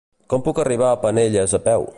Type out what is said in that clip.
Com puc arribar a Penelles a peu?